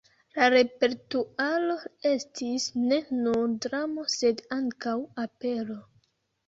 La repertuaro estis ne nur dramo, sed ankaŭ opero.